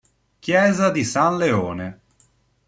Chiesa di San Leone